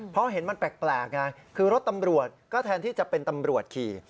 เพราะเห็นมันแปลกไงคือรถตำรวจก็แทนที่จะเป็นตำรวจขี่